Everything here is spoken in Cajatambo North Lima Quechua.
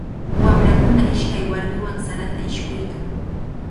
Wamrakuna ishkay warmiwan sarata ishkuykan.